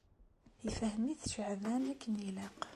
Ifhem-it Ceεban akken ilaq.